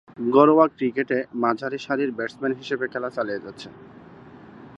ঘরোয়া ক্রিকেটে মাঝারি-সারির ব্যাটসম্যান হিসেবে খেলা চালিয়ে যাচ্ছেন।